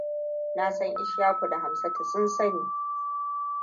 Na san Ishaku da Hamsatu sun sani.